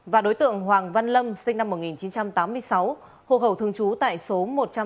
và đối tượng hoàng văn lâm sinh năm một nghìn chín trăm tám mươi sáu hộ khẩu thường trú tại số một trăm hai mươi